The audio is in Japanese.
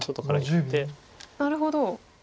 なるほど。